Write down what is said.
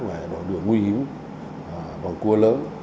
về đoạn đường nguy hiểm đoạn cua lớn